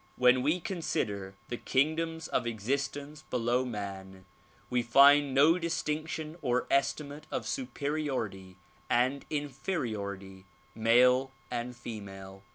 "When we consider the kingdoms of existence below man we find no distinction or estimate of superiority and inferiority male and female.